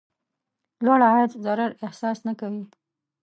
لوړ عاید ضرر احساس نه کوي.